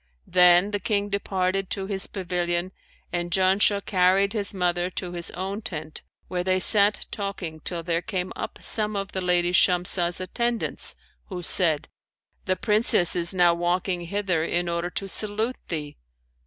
Then the King departed to his pavilion and Janshah carried his mother to his own tent, where they sat talking till there came up some of the lady Shamsah's attendants who said, The Princess is now walking hither in order to salute thee.